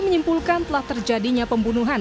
menyimpulkan telah terjadinya pembunuhan